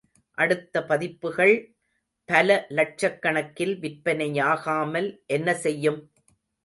அடுத்த பதிப்புகள் பல லட்சக்கணக்கில் விற்பனை யாகாமல் என்ன செய்யும்?